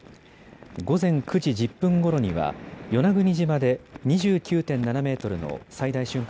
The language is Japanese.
午前９時１０分ごろには与那国島で２９．７メートルの最大瞬間